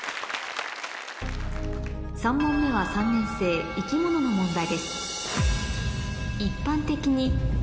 ３問目は３年生生き物の問題です